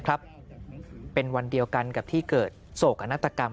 ครับเป็นวันเดียวกันกับที่เกิดโศกนาฏกรรม